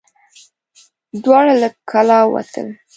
دواړه له کلا ووتل.